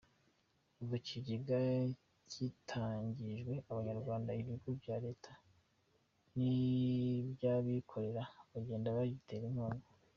Kuva icyo kigega gitangijwe Abanyarwanda, ibigo bya Leta n’iby’abikorera bagenda bagitera inkunga.